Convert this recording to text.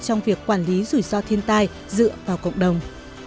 trong việc quản lý rủi ro thiên tai dựa vào cộng đồng